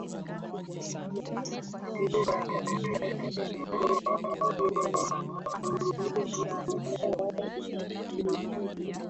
matibabu ya tabia kama vileTukio la utegemezi kwa dawa za kulevya